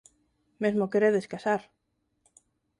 Mesmo queredes casar.